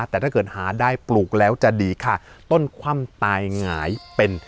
แต่ถ้าเกิดหาได้ปลูกแล้วจะดีค่ะต้นคว่ำตายหงายเป็น